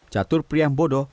jatur priang bodo